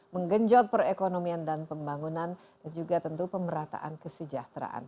menggenjot perekonomian dan pembangunan dan juga tentu pemerataan kesejahteraan